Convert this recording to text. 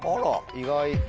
意外。